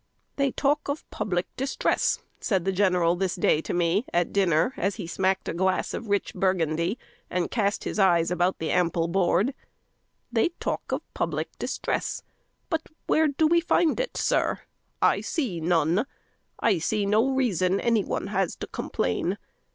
"They talk of public distress," said the general this day to me, at dinner, as he smacked a glass of rich burgundy, and cast his eyes about the ample board; "they talk of public distress, but where do we find it, sir? I see none. I see no reason any one has to complain.